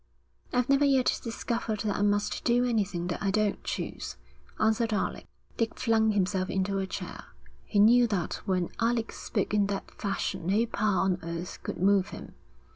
'I've never yet discovered that I must do anything that I don't choose,' answered Alec. Dick flung himself into a chair. He knew that when Alec spoke in that fashion no power on earth could move him.